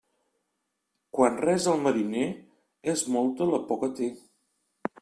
Quan resa el mariner, és molta la por que té.